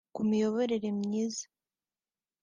ku miyoborere myiza